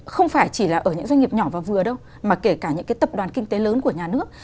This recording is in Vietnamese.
không phải chỉ là ở những doanh nghiệp nhỏ và vừa đâu mà kể cả những cái tập đoàn kinh tế lớn của nhà nước